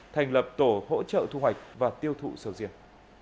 thành lập tổ hỗ trợ thu hoạch và tiêu thụ sầu riêng